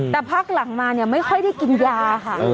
แต่พักหลังมาเนี่ยไม่ค่อยได้กินยาค่ะ